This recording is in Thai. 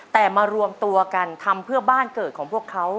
แต่มารวมตัวกันทำเพื่อบ้านเกิดของพวกเขา